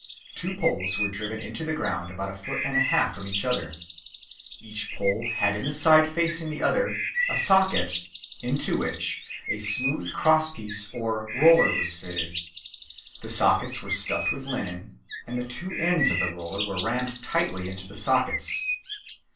Two poles were driven into the ground about a foot and a half from each other. Each pole had in the side facing the other a socket into which a smooth cross piece or roller was fitted. The sockets were stuffed with linen, and the two ends of the roller were rammed tightly into the sockets.